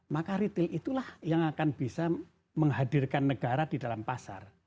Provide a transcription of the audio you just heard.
maka retail itulah yang akan bisa menghadirkan negara di dalam pasar